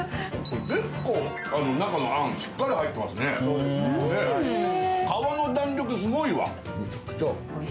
結構、中のあん入ってますね皮の弾力、すごいわ。